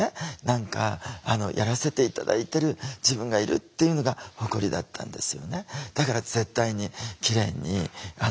やらせて頂いてる自分がいるっていうのが誇りだったんですよね。